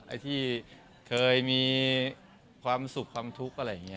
ไอ้ที่เคยมีความสุขความทุกข์อะไรอย่างนี้